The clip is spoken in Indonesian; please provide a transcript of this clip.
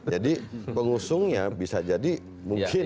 jadi pengusungnya bisa jadi mungkin